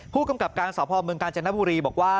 ผู้กำกับการสพเมืองกาญจนบุรีบอกว่า